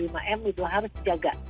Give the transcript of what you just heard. lima m itu harus dijaga